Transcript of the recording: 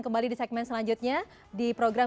kembali di segmen selanjutnya di program